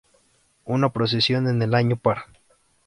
Una procesión en el año par.